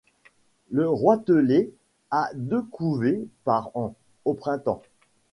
Le Roitelet a deux couvées par an, au printemps.